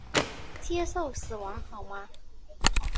接受死亡好吗？